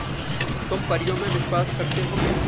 तुम परियों में विश्वास करते हो क्या?